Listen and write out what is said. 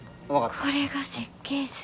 これが設計図。